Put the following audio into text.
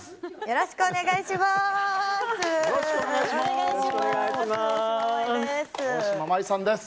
よろしくお願いします。